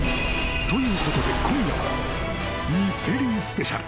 ［ということで今夜はミステリースペシャル］